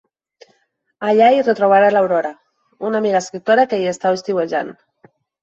Allí hi retrobarà l'Aurora, una amiga escriptora que hi està estiuejant.